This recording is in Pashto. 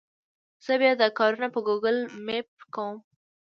زه بیا دا کارونه په ګوګل مېپ کوم.